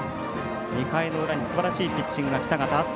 ２回の裏にすばらしいピッチングがあった